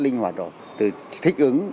linh hoạt rồi từ thích ứng